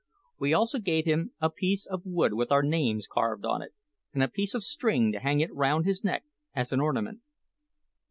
We also gave him a piece of wood with our names carved on it, and a piece of string to hang it round his neck as an ornament.